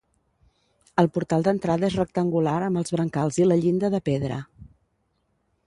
El portal d'entrada és rectangular amb els brancals i la llinda de pedra.